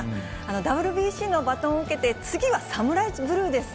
ＷＢＣのバトンを受けて、次は侍ブルーです。